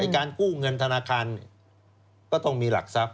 การกู้เงินธนาคารก็ต้องมีหลักทรัพย